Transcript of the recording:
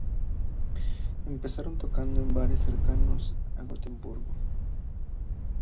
Empezaron tocando en bares cercanos a Gotemburgo.